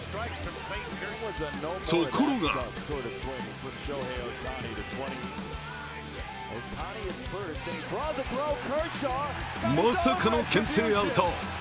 ところがまさかのけん制アウト。